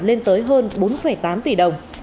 lên tới hơn bốn tám tỷ đồng